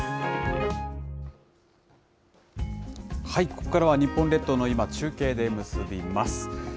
ここからは日本列島の今、中継で結びます。